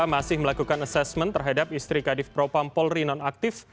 masih melakukan asesmen terhadap istri kadif propampolri non aktif